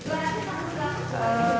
bubur kambil iya